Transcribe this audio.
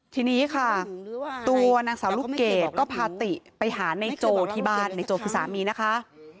ทีนี้ค่ะตัวนางสาวลูกเกดก็พาติไปหาในโจที่บ้านในโจคือสามีนะคะ